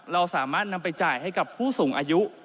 เราสามารถนำไปจ่ายให้กับผู้สูงอายุ